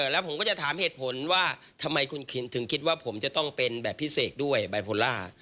แล้วผมก็จะถามเหตุผลว่าทำไมคุณถึงคิดว่าผมจะต้องเป็นแบบพิเศษด้วยบายโพล่า